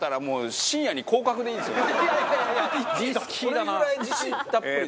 バカリズム：これぐらい自信たっぷり。